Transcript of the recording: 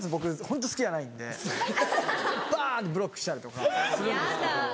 ホント好きじゃないんでバンってブロックしたりとかするんですけど。